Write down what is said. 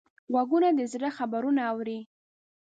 غوږونه د زړه خبرونه اوري